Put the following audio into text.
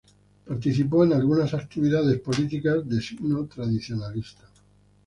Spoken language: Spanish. Participó en algunas actividades políticas de signo tradicionalista.